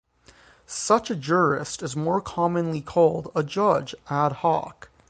Such a jurist is more commonly called a judge "ad hoc".